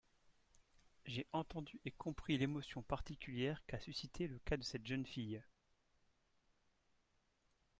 J’ai entendu et compris l’émotion particulière qu’a suscitée le cas de cette jeune fille.